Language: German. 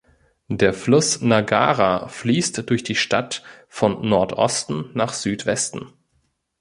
Der Fluss Nagara fließt durch die Stadt von Nordosten nach Südwesten.